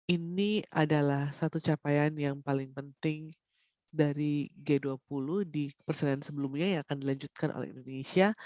ini adalah satu capaian yang paling penting dari g dua puluh di perseliran sebelumnya yang akan dilanjutkan oleh indonesia